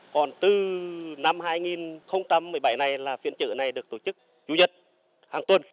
còn từ năm hai nghìn một mươi bảy này là phiên chợ này được tổ chức chủ nhật hàng tuần